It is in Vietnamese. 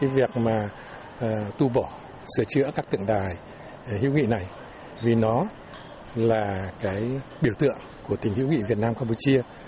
việc tu bổ sửa chữa các tượng đài hữu nghị này vì nó là biểu tượng của tình hữu nghị việt nam campuchia